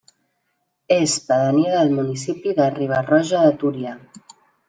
És pedania del municipi de Riba-roja de Túria.